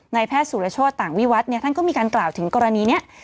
แพทย์สุรโชธต่างวิวัตรเนี่ยท่านก็มีการกล่าวถึงกรณีนี้